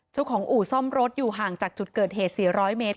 เจ้าของอู่ซ่อมรถอยู่ห่างจากจุดเกิดเหตุ๔๐๐เมตร